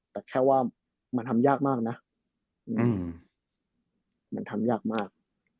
แต่แค่ว่ามันทำยากมากนะมันทำยากมาก